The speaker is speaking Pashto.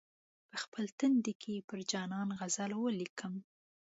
په خپل تندي کې پر جانان غزل ولیکم.